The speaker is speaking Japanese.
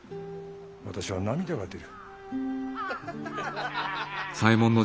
私は涙が出る。